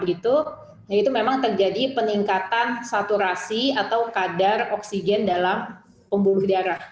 yaitu memang terjadi peningkatan saturasi atau kadar oksigen dalam pembuluh darah